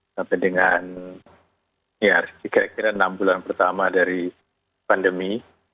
berbandingan ya kira kira enam bulan pertama dari pandemi